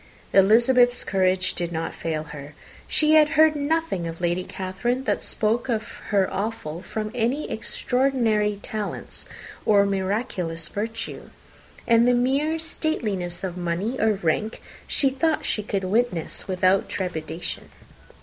Elizabeth's courage did not fail her. She had heard nothing of Lady Catherine that spoke her awful from any extraordinary talents or miraculous virtue, and the mere stateliness of money and rank she thought she could witness without trepidation.